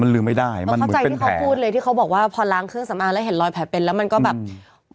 ลืมไม่ได้มันเข้าใจที่เขาพูดเลยที่เขาบอกว่าพอล้างเครื่องสำอางแล้วเห็นรอยแผลเป็นแล้วมันก็แบบ